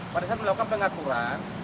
pada saat melakukan pengaturan